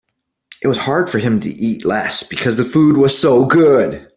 It was hard for him to eat less because the food was so good.